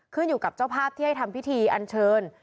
ขึ้นอยู่กับเจ้าภาพที่ให้ทำพิธีอันเชิญ